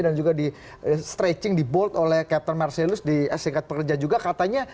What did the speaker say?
dan juga di stretching di bolt oleh captain marcellus di serikat pekerja juga katanya